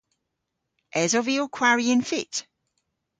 Esov vy ow kwari y'n fytt?